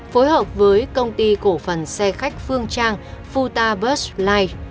phối hợp với công ty cổ phần xe khách phương trang futa bus line